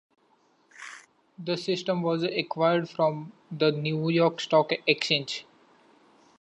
The system was acquired from the New York Stock Exchange.